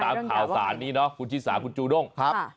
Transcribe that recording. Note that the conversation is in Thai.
ตามข่าวสารนี้เนาะคุณชิสาคุณจูด้งครับ